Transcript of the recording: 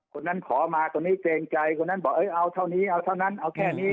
คนนั้นขอมาคนนี้เกรงใจคนนั้นบอกเอาเท่านี้เอาเท่านั้นเอาแค่นี้